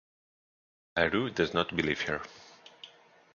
Aru does not believe her.